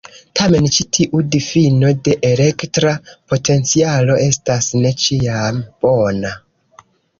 Tamen, ĉi tiu difino de elektra potencialo estas ne ĉiam bona.